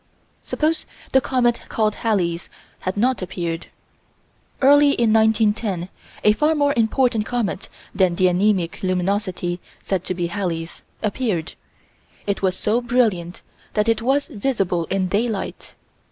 Suppose the comet called Halley's had not appeared Early in 1910, a far more important comet than the anæmic luminosity said to be Halley's, appeared. It was so brilliant that it was visible in daylight.